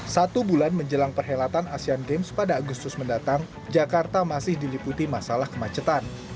satu bulan menjelang perhelatan asean games pada agustus mendatang jakarta masih diliputi masalah kemacetan